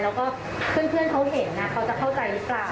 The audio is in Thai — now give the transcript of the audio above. แล้วก็เพื่อนเขาเห็นเขาจะเข้าใจหรือเปล่า